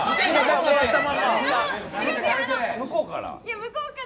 向こうから。